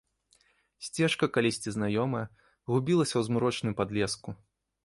Сцежка, калісьці знаёмая, губілася ў змрочным падлеску.